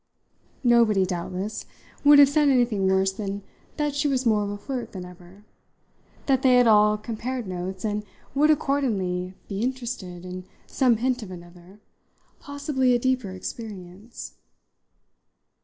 Nobody, doubtless, would have said anything worse than that she was more of a flirt than ever, that they had all compared notes and would accordingly be interested in some hint of another, possibly a deeper, experience.